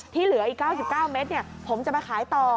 เหลืออีก๙๙เมตรผมจะไปขายต่อ